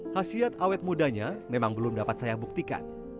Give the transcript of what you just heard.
hasiat awet mudanya memang belum dapat saya buktikan